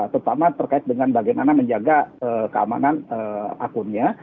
terutama terkait dengan bagaimana menjaga keamanan akunnya